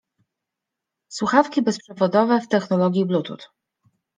Słuchawki bezprzewodowe w technologii bluetooth.